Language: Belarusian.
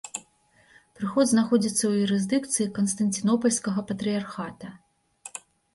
Прыход знаходзіцца ў юрысдыкцыі канстанцінопальскага патрыярхата.